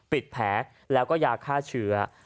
แผลแล้วก็ยาฆ่าเชื้อ